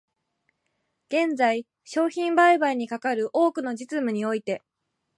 現在、商品売買にかかる多くの実務において、